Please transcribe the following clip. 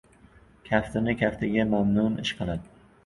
Kaftini kaftiga mamnun ishqadi.